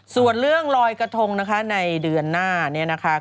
ส่วนเรื่องลอยกระทงนะคะในเดือนหน้าเนี่ยนะคะ